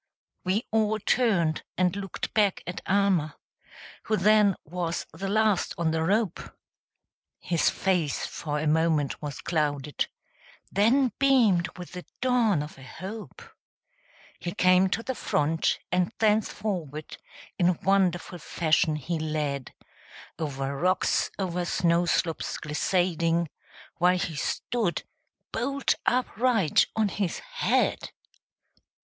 We all turned and looked back at Almer. Who then was the last on the rope; His face for a moment was clouded, Then beamed with the dawn of a hope; He came to the front, and thence forward In wonderful fashion he led, Over rocks, over snow slopes glissading, While he stood, bolt upright on his head!